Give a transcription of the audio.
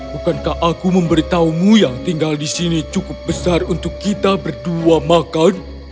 bukankah aku memberitahumu yang tinggal di sini cukup besar untuk kita berdua makan